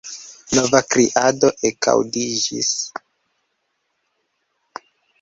Nova kriado ekaŭdiĝis.